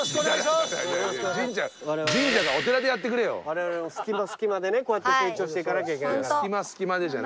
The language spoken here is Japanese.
われわれも隙間隙間でねこうやって成長していかなきゃいけないから。